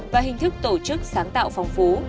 và hình thức tổ chức sáng tạo phong phú